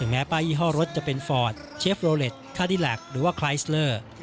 แม้ป้ายยี่ห้อรถจะเป็นฟอร์ดเชฟโลเล็ตคาดีแล็กหรือว่าคลายสเลอร์